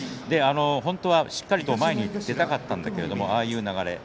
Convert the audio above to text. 本当はしっかりと前に出たかったんだけれどもああいう流れ